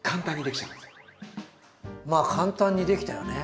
まあ簡単にできたよね。